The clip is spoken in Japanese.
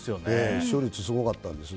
視聴率すごかったんです。